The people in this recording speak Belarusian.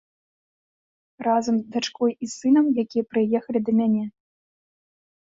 Разам дачкой і сынам, якія прыехалі да мяне.